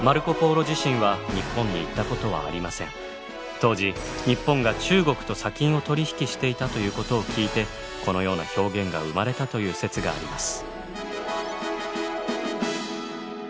当時日本が中国と砂金を取り引きしていたということを聞いてこのような表現が生まれたという説があります。